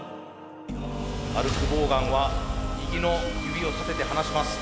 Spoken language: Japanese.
ハルク・ボーガンは右の指を立てて離します。